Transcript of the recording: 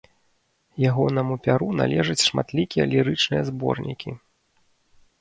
Ягонаму пяру належаць шматлікія лірычныя зборнікі.